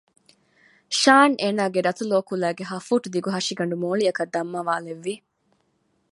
ޝާން އޭނާގެ ރަތުލޯ ކުލައިގެ ހަފޫޓްދިގު ހަށިގަނޑު މޯޅިއަކަށް ދަންމަވާލެއްވި